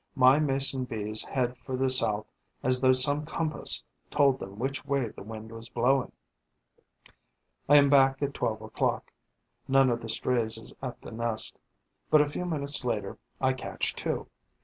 My Mason bees head for the south as though some compass told them which way the wind was blowing. I am back at twelve o'clock. None of the strays is at the nest; but, a few minutes later, I catch two.